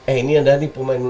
eh ini anda pemain